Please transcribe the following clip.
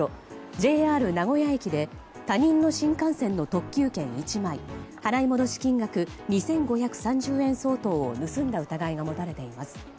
ＪＲ名古屋駅で他人の新幹線の特急券１枚払い戻し金額２５３０円相当を盗んだ疑いが持たれています。